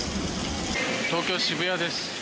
東京・渋谷です。